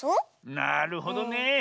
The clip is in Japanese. なるほどね。